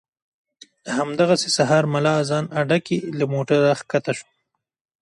همدغسې سهار ملا اذان اډه کې له موټره ښکته شوم.